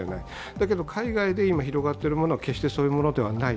だけど、海外で今広がっているものは決してそういうものではない。